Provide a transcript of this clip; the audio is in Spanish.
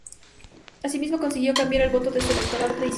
Asimismo consiguió cambiar el voto de su electorado tradicional.